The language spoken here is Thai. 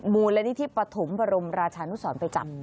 มูลนิธิปฐมบรมราชานุสรไปจับ